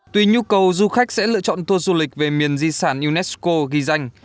tuy nhu cầu du khách sẽ lựa chọn tour du lịch về miền di sản unesco ghi danh